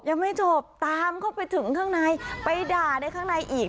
ยังไม่จบตามเข้าไปถึงข้างในไปด่าในข้างในอีก